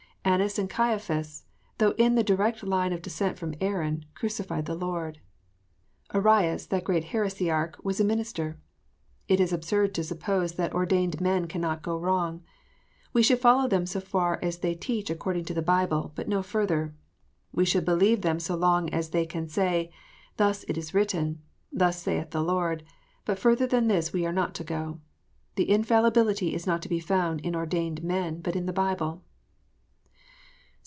Annas and Caiaphas, though in the direct line of descent from Aaron, crucified the Lord. Arius, that great heresiarch, was a minister. It is absurd to suppose that ordained men cannot go wrong. We should follow them so far as they teach according to the Bible, but no further. We should believe them so long as they can say, "Thus it is written," " Thus saith the Lord ;" but further than this we are not to go. Infallibility is not to be found in ordained men, but in the Bible.